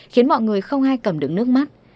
khiến mọi người không ai cầm đứng nước mắt